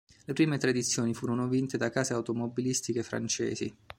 Le prime tre edizioni furono vinte da case automobilistiche francesi.